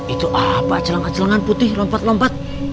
itu apa celang a celangan putih lompat lompat